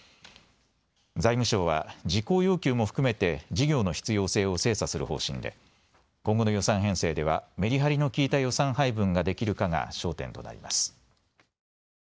財務省は事項要求も含めて事業の必要性を精査する方針で今後の予算編成ではめりはりのきいた予算配分ができるかが焦点となります。